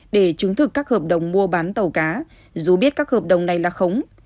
để chứng thực các hợp đồng mua bán tàu cá dù biết các hợp đồng này là khống